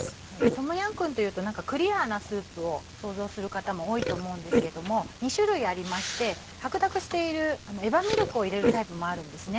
トムヤムクンというとクリアなスープを想像する方も多いと思うんですけども２種類ありまして白濁しているエバミルクを入れるタイプもあるんですね。